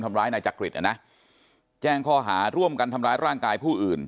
ทำร้ายนายจักริตนะนะแจ้งข้อหาร่วมกันทำร้ายร่างกายผู้อื่น